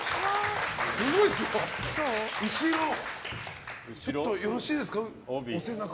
すごいですよ、後ろちょっとよろしいですか。